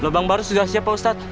lubang baru sudah siap pak ustadz